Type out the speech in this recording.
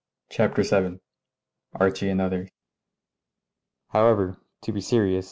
CHAPTER VII ARCHIE AND OTHERS HOWEVER, to be serious.